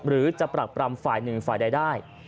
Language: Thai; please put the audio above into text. หรือจะปรักปรำฝ่ายหนึ่งฝ่ายใดได้